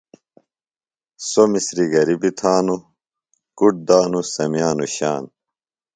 سوۡ مسِریۡ گِریۡ بیۡ تھانوۡ، کُڈ دانوۡ سمیانوۡ شان